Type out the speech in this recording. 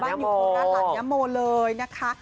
บ้านอยู่โคลาสหลังยะโมเลยนะคะ